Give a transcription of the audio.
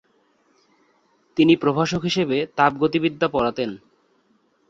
তিনি প্রভাষক হিসেবে তাপ গতিবিদ্যা পড়াতেন।